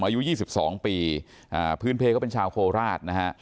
อายุยี่สิบสองปีอ่าพื้นเพลย์เขาเป็นชาวโคราชนะฮะ